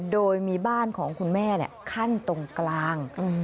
โดยมีบ้านของคุณแม่ขั้นตรงกลาง